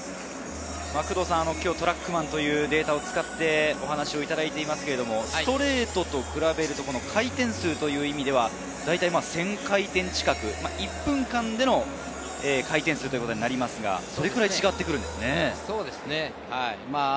今日はトラックマンのデータを使ってお話いただいていますが、ストレートと比べると回転数という意味では、１０００回転近く、１分間での回転数ということになりますが、それくらい違ってくるんですね。